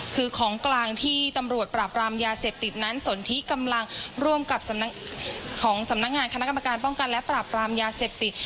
คือของกลางที่ตำรวจปราบรามยาเสพติดนั้นสนทิกำลังร่วมกับของสำนักงานคณะกรรมการป้องกันและปราบรามยาเสพติด